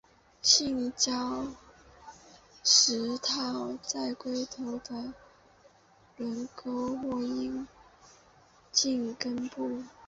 性交时套在龟头的状沟上或阴茎根部。